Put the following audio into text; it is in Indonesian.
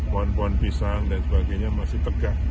pohon pohon pisang dan sebagainya masih tegak